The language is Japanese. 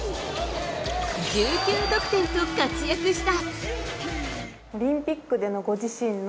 １９得点と活躍した。